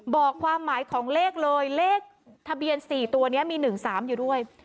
บอกความหมายของเลขเลยเลขทะเบียนสี่ตัวเนี้ยมีหนึ่งสามอยู่ด้วย